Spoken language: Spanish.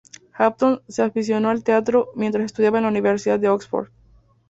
Hampton se aficionó al teatro mientras estudiaba en la Universidad de Oxford.